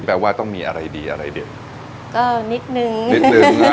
แปลว่าต้องมีอะไรดีอะไรเด็ดก็นิดนึงนิดนึง